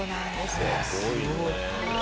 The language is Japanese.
すごいね。